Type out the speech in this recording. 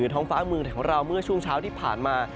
อยู่ในองค์ฟ้าเมืองของเราเมื่อช่วงเช้าที่ผ่านมา